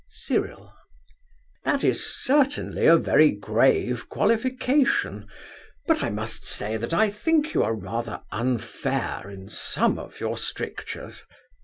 CYRIL. That is certainly a very grave qualification, but I must say that I think you are rather unfair in some of your strictures.